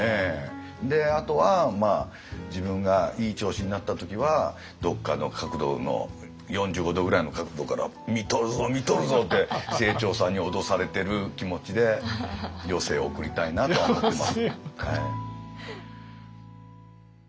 であとは自分がいい調子になった時はどっかの角度の４５度ぐらいの角度から「見とるぞ見とるぞ！」って清張さんに脅されてる気持ちで余生を送りたいなと思ってます。